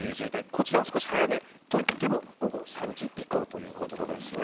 こちらは少し早めといっても午後３時以降ということですね。